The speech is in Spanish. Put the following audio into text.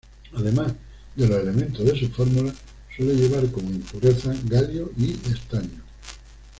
Además de los elementos de su fórmula, suele llevar como impurezas: galio y estaño.